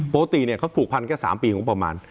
ปกติเนี่ยเขาผูกพันแค่๓ปีงบประมาณ